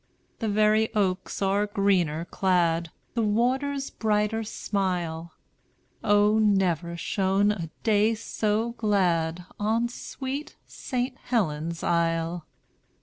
"The very oaks are greener clad, The waters brighter smile; O, never shone a day so glad On sweet St. Helen's Isle.